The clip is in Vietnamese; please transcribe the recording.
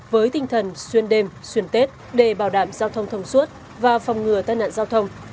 với tinh thần xuyên đêm xuyên tết để bảo đảm giao thông thông suốt và phòng ngừa tai nạn giao thông